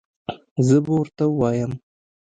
زه به ورته ووایم